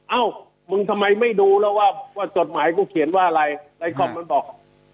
เอ้ามึงทำไมไม่ดูแล้วว่าจดหมายกูเขียนว่าอะไรในคอมมันบอก